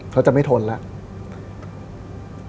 เขาจะไม่ทนแล้ว